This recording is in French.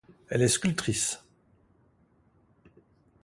Elle est sculptrice.